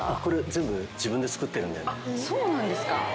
そうなんですか？